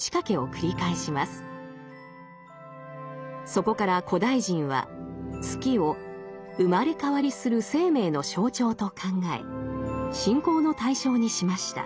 そこから古代人は月を生まれ変わりする生命の象徴と考え信仰の対象にしました。